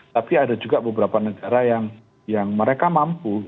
tapi ada juga beberapa negara yang mereka mampu